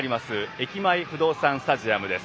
駅前不動産スタジアムです。